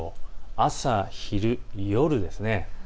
朝、昼、夜です。